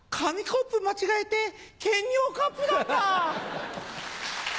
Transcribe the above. コップ間違えて検尿カップだった。